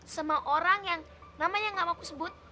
semang orang yang namanya nggak mau aku sebut